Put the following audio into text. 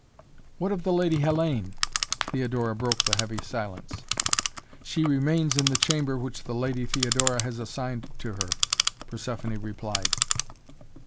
"What of the Lady Hellayne?" Theodora broke the heavy silence. "She remains in the chamber which the Lady Theodora has assigned to her." Persephoné replied.